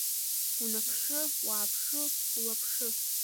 Унаԥшы, уааԥшы, улаԥшы…